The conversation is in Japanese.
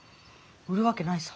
売るわけないさ。